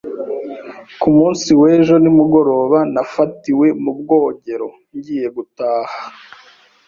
Ku munsi w'ejo nimugoroba, nafatiwe mu bwogero ngiye gutaha.